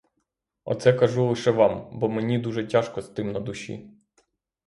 Оце кажу лише вам, бо мені дуже тяжко з тим на душі!